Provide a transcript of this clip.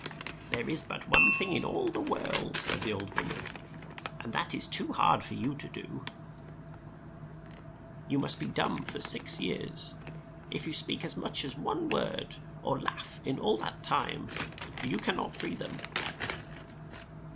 " 'There is but one thing in all the world," said the old wom an, "and that is too hard for you to do. You must be 724 THE TWELVE BROTHERS dumb for six years. If you speak as much as one word or laugh in all that time, you can not free them."